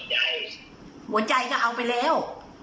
หัวใจก็เอาไปแล้ว